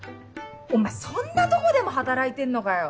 お前そんなとこでも働いてんのかよ！